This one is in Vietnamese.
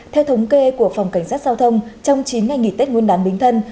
theo thống kê của phòng cảnh sát giao thông trong chín ngày nghỉ tết nguyên đáng bình thân